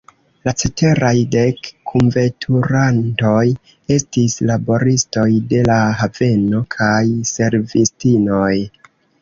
La ceteraj dek kunveturantoj estis laboristoj de la haveno kaj servistinoj.